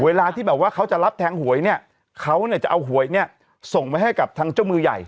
เวลาที่แบบว่าเขาจะรับแทงหวยเนี่ยเขาเนี่ยจะเอาหวยเนี่ยส่งไปให้กับทางเจ้ามือใหญ่